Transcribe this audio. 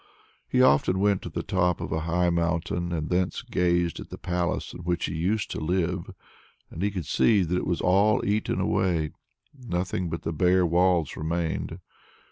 He often went to the top of a high mountain, and thence gazed at the palace in which he used to live, and he could see that it was all eaten away; nothing but the bare walls remained!